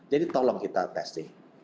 jadi tolong kita testing